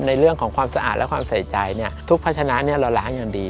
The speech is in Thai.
ในเรื่องของความสะอาดและความใส่ใจทุกพัชนะเราล้างอย่างดี